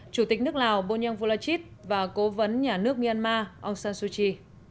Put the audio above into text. chủ tịch nước lào bunyang volachit và cố vấn nhà nước myanmar aung san suu kyi